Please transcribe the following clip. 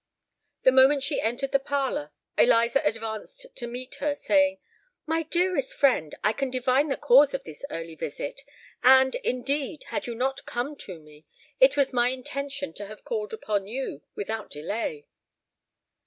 The moment she entered the parlour, Eliza advanced to meet her, saying, "My dearest friend, I can divine the cause of this early visit;—and, indeed, had you not come to me, it was my intention to have called upon you without delay."